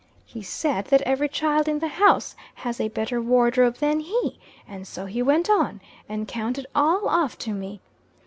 He said that every child in the house has a better wardrobe than he; and so he went on, and counted all off to me.